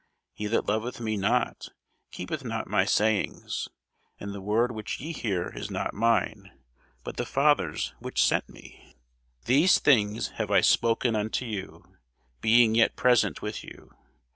He that loveth me not keepeth not my sayings: and the word which ye hear is not mine, but the Father's which sent me. These things have I spoken unto you, being yet present with you.